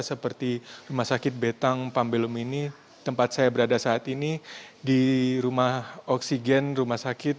seperti rumah sakit betang pambelum ini tempat saya berada saat ini di rumah oksigen rumah sakit